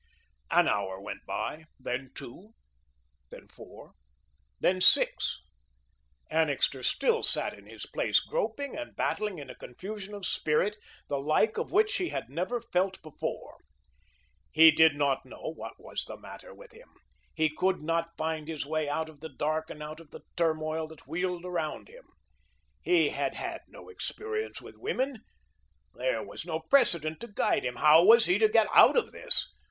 An hour went by; then two, then four, then six. Annixter still sat in his place, groping and battling in a confusion of spirit, the like of which he had never felt before. He did not know what was the matter with him. He could not find his way out of the dark and out of the turmoil that wheeled around him. He had had no experience with women. There was no precedent to guide him. How was he to get out of this?